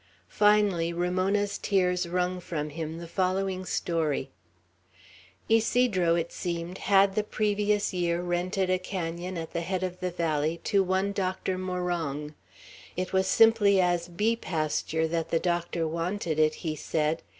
Finally Ramona's tears wrung from him the following story: Ysidro, it seemed, had the previous year rented a canon, at the head of the valley, to one Doctor Morong. It was simply as bee pasture that the Doctor wanted it, he said.